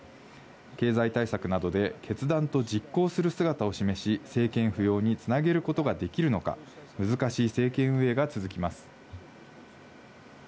経済対策などで決断と実行する姿を示し、政権浮揚に繋げることができるのか、難しい政権運営が続きます。